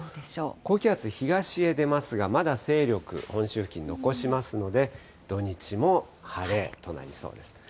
高気圧、東へ出ますが、まだ勢力、本州付近に残しますので、土日も晴れとなりそうです。